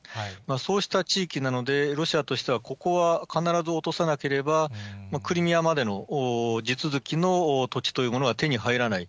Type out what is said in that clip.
そうした地域なので、ロシアとしては、ここは必ず落とさなければ、クリミアまでの地続きの土地というものは手に入らない。